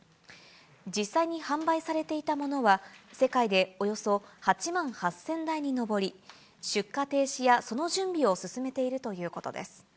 実際に販売されていたものは、世界でおよそ８万８０００台に上り、出荷停止やその準備を進めているということです。